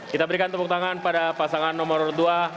kita berikan tepuk tangan pada pasangan nomor dua